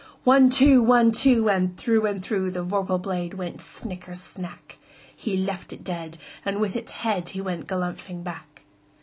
One, two! One, two! And through and throughThe vorpal blade went snicker snack! He left it dead, and with its headHe went galumphing back.